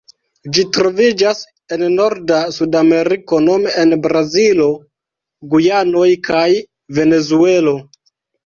Ĝi troviĝas en norda Sudameriko nome en Brazilo, Gujanoj kaj Venezuelo.